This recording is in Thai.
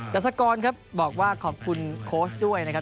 ัสกรครับบอกว่าขอบคุณโค้ชด้วยนะครับ